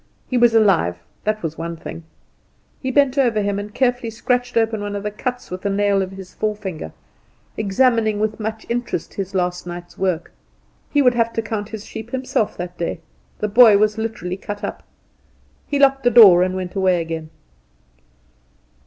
He was alive, that was one thing. He bent over him, and carefully scratched open one of the cuts with the nail of his forefinger, examining with much interest his last night's work. He would have to count his sheep himself that day; the boy was literally cut up. He locked the door and went away again.